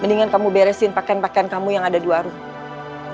mendingan kamu beresin pakaian pakaian kamu yang ada di warung